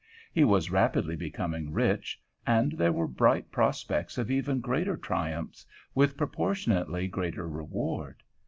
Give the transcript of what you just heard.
He was rapidly becoming rich, and there were bright prospects of even greater triumphs, with proportionately greater reward.